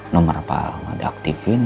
nomor pak alan gak diaktifin